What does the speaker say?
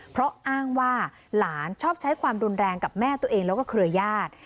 เพราะอ้างว่าหลานชอบใช้ความรุนแรงกับแม่ตัวเองแล้วก็เครือญาติ